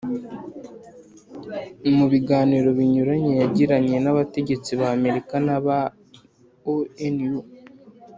mu biganiro binyuranye yagiranye n'abategetsi b'amerika n'aba onu,